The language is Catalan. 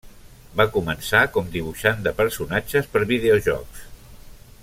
Va començar com dibuixant de personatges per videojocs.